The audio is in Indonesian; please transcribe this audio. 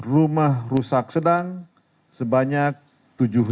rumah rusak sedang sebanyak lima enam ratus tiga puluh satu jiwa